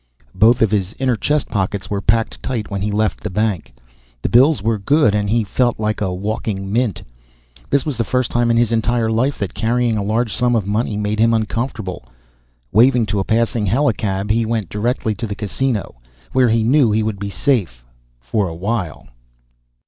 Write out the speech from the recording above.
Both of his inner chest pockets were packed tight when he left the bank. The bills were good and he felt like a walking mint. This was the first time in his entire life that carrying a large sum of money made him uncomfortable. Waving to a passing helicab he went directly to the Casino, where he knew he would be safe for a while.